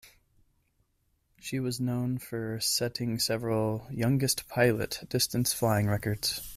She was known for setting several "youngest pilot" distance-flying records.